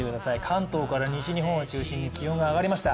関東から西日本を中心に気温が上がりました。